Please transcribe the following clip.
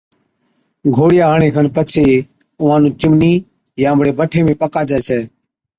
گھوڙِيان هڻڻي کن پڇي اُونهان نُون چِمنِي يان بڙي بٺي ۾ پڪاجَي ڇَي